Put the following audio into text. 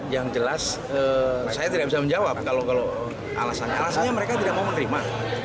yang jelas saya tidak bisa menjawab kalau alasannya mereka tidak mau menerima